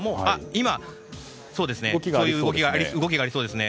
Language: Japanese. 今、そういう動きがありそうですね。